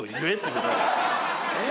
え？